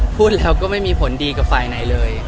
พูดแล้วก็ไม่มีผลดีกับฝ่ายไหนเลย